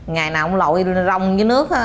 ngày nào ông lội rong với nước